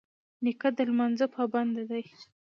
نیکه د لمانځه پابند وي.